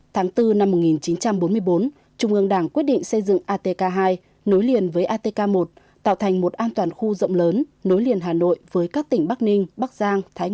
tháng bốn năm một nghìn chín trăm bốn mươi bốn trung ương đảng quyết định xây dựng atk hai nối liền với atk một tạo thành một an toàn khu rộng lớn nối liền hà nội với các tỉnh bắc ninh bắc giang thái nguyên